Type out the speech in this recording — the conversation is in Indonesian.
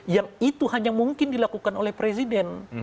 yang itu hanya mungkin dilakukan oleh presiden